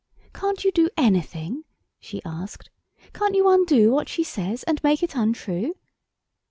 "Can't you do anything?" she asked. "Can't you undo what she says, and make it untrue?"